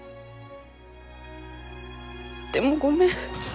でもごめん。